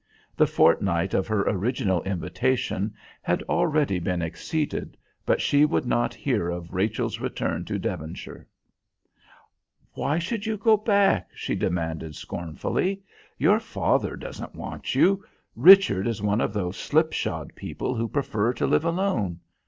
The fortnight of her original invitation had already been exceeded, but she would not hear of Rachel's return to Devonshire. "Why should you go back?" she demanded scornfully. "Your father doesn't want you Richard is one of those slip shod people who prefer to live alone.